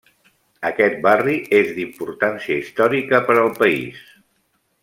Aquest barri és d'importància històrica per al país.